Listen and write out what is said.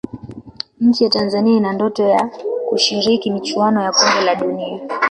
nchi ya Tanzania ina ndoto ya kushiriki michuano ya kombe la dunia